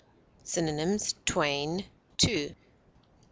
Synonyms: twain, two.